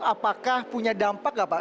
apakah punya dampak nggak pak